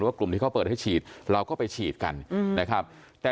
กลุ่มที่เขาเปิดให้ฉีดเราก็ไปฉีดกันนะครับแต่